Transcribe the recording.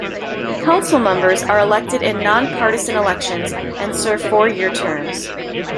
Council members are elected in nonpartisan elections and serve four year terms.